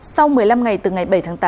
sau một mươi năm ngày từ ngày bảy tháng tám